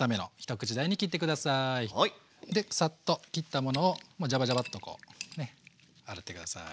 でサッと切ったものをジャバジャバッと洗って下さい。